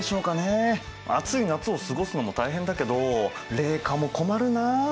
暑い夏を過ごすのも大変だけど冷夏も困るな。